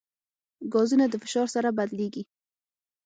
ګازونه د فشار سره بدلېږي.